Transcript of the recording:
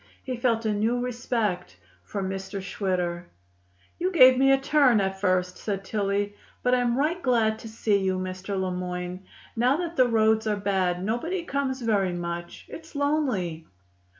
He felt a new respect for Mr. Schwitter. "You gave me a turn at first," said Tillie. "But I am right glad to see you, Mr. Le Moyne. Now that the roads are bad, nobody comes very much. It's lonely."